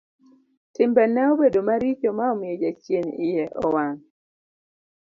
Timbe ne obedo maricho ma omiyo jachien iye owang'.